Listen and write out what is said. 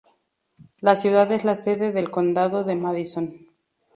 La ciudad es la sede del condado de Madison.